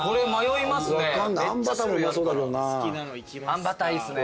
あんバターいいっすね。